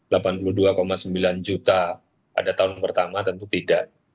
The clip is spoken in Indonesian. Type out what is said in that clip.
delapan puluh dua sembilan juta pada tahun pertama tentu tidak